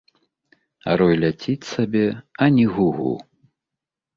А рой ляціць сабе, ані гу-гу.